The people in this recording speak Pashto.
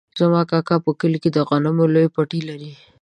زما کاکا په کلي کې د غنمو لوی پټی لري.